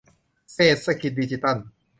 เศรษฐกิจดิจิทัล